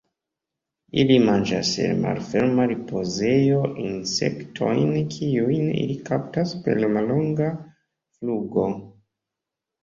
Ili manĝas el malferma ripozejo insektojn kiujn ili kaptas per mallonga flugo.